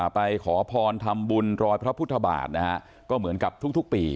ไปขอพรทำบุญรอยพระพุทธบาทนะฮะก็เหมือนกับทุกปี